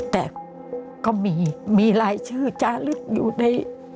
แต่ก็มีมีรายชื่อจาลึกอยู่ใน